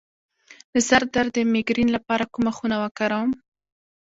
د سر درد د میګرین لپاره کومه خونه وکاروم؟